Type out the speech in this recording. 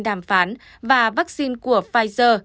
đàm phán và vaccine của pfizer